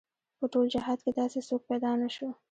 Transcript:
په ټول جهاد کې داسې څوک پيدا نه شو.